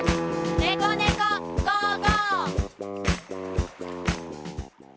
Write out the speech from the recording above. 「ねこねこ５５」！